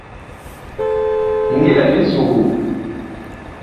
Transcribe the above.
Mi ngi lɛ li suguu.